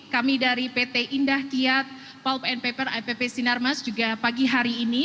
kami dari pt indah kiat palb and paper ipp sinarmas juga pagi hari ini